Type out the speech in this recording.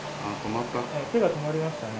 手が止まりましたね。